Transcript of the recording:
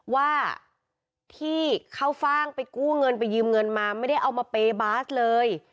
ว่าที่เข้าฟ่างไปกู้เงินไปยืมเงินมาไม่ได้เอามาเปย์บาสเลย